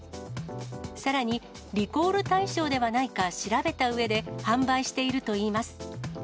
さらにリコール対象ではないか調べたうえで、販売しているといいます。